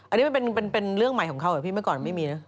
อันนี้มันเป็นเรื่องใหม่ของเขาเหรอพี่เมื่อก่อนไม่มีนะ